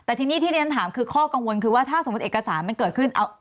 แต่ทีนี้ที่เรียนถามคือข้อกังวลคือว่าถ้าสมมุติเอกสารมันเกิดขึ้น